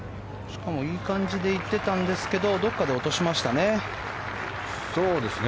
しかもいい感じで行ってたんですけどどこかで落としましたね。